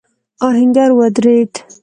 آهنګر ودرېد.